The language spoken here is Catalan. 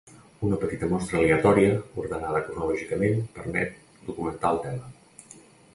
Una petita mostra aleatòria, ordenada cronològicament, permet documentar el tema.